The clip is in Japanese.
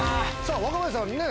若林さん